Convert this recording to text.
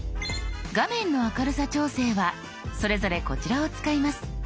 画面の明るさ調整はそれぞれこちらを使います。